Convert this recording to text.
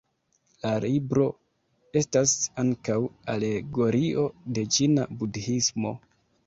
La libro estas ankaŭ alegorio de ĉina Budhismo.